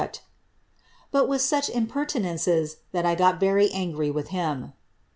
duct —^ but with such impertinences, that I got ver}' angry with him.